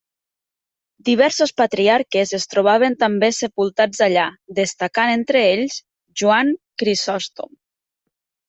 Diversos patriarques es trobaven també sepultats allà, destacant entre ells Joan Crisòstom.